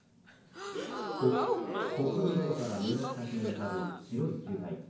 コックピットから見下ろす先に浮かぶ白い球体。